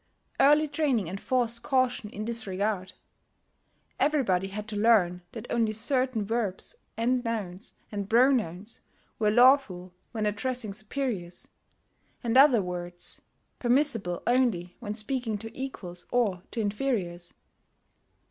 Early training enforced caution in this regard: everybody had to learn that only certain verbs and nouns and pronouns were lawful when addressing superiors, and other words permissible only when speaking to equals or to inferiors.